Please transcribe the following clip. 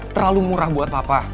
terlalu murah buat papa